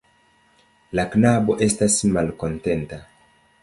La knabo estas malkontenta.